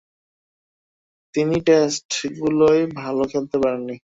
তিনি টেস্টগুলোয় ভালো খেলতে পারেননি।